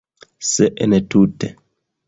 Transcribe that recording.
Se entute.